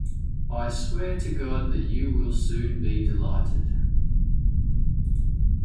I swear to God that you will soon be delighted!